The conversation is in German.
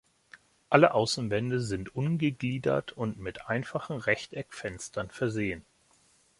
Alle Außenwände sind ungegliedert und mit einfachen Rechteckfenstern versehen.